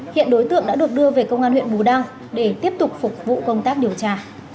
hiện đối tượng đã được đưa về công an huyện bù đăng để tiếp tục phục vụ công tác điều tra